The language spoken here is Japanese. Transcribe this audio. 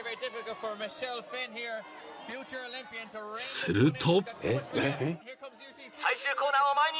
［すると］